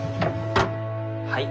はい。